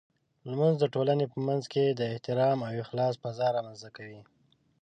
لمونځ د ټولنې په منځ کې د احترام او اخلاص فضاء رامنځته کوي.